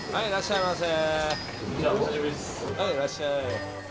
いらっしゃい。